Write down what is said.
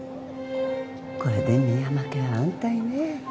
これで深山家は安泰ね。